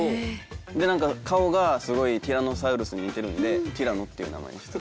でなんか顔がすごいティラノサウルスに似てるんでティラノっていう名前にして。